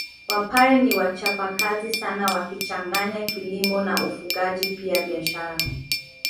Wapare ni wachapakazi sana wakichanganya kilimo na ufugaji pia biashara